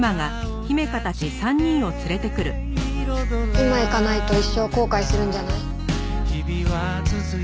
今行かないと一生後悔するんじゃない？